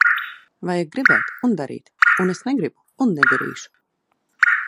Vajag gribēt un darīt. Un es negribu un nedarīšu.